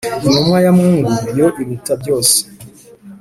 Intumwa ya Mungu yo iruta byose.